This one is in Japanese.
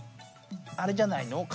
あれじゃないの？